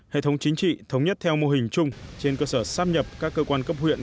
hệ thống chính trị thống nhất theo mô hình chung trên cơ sở sắp nhập các cơ quan cấp huyện